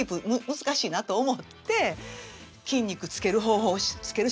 難しいなと思って筋肉つける方法をつけるしかないと思って。